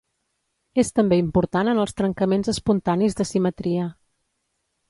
És també important en els trencaments espontanis de simetria.